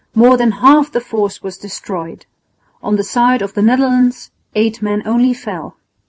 More than half the force was destroyed. On the side of the Netherlands eight men only fell.